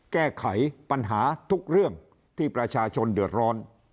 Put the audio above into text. แก้ไขปัญหาทุกเรื่องที่ประชาชนเดือดร้อน